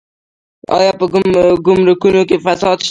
آیا په ګمرکونو کې فساد شته؟